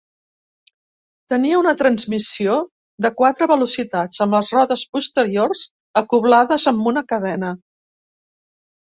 Tenia una transmissió de quatre velocitats amb les rodes posteriors acoblades amb una cadena.